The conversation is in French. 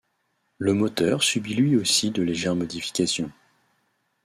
Le moteur subit lui aussi de légères modifications.